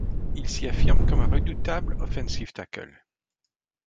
Il s'y affirme comme un redoutable offensive tackle.